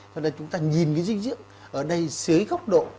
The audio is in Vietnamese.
rồi là chúng ta nhìn cái dinh dưỡng ở đây xế góc độ